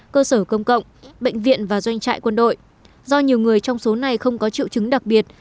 cơ sở công cộng bệnh viện và doanh trại quân đội do nhiều người trong số này không có triệu chứng đặc biệt